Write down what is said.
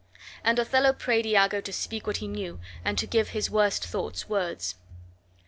And Othello prayed Iago to speak what he knew and to give his worst thoughts words.